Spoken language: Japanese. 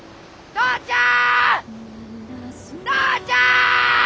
お父ちゃん！